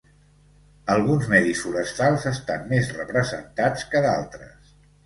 Alguns medis forestals estan més representats que d'altres.